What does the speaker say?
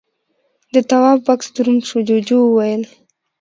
د تواب بکس دروند شو، جُوجُو وويل: